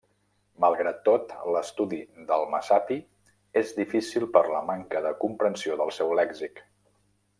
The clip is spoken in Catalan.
Malgrat tot, l'estudi del messapi és difícil per la manca de comprensió del seu lèxic.